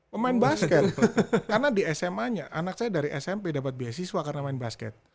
pemain basket karena di sma nya anak saya dari smp dapat beasiswa karena main basket